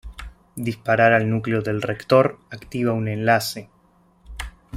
Disparar al núcleo del reactor activa un enlace.